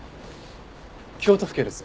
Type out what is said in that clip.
京都府警です。